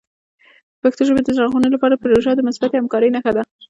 د پښتو ژبې د ژغورنې لپاره پروژه د مثبتې همکارۍ نښه ده.